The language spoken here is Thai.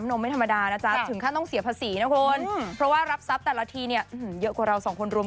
มันยังไม่พร้อมอะครับ